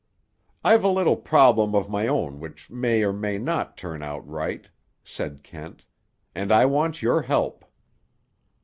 "I've a little problem of my own which may or may not turn out right," said Kent, "and I want your help."